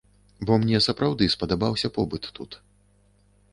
Бо мне сапраўды спадабаўся побыт тут.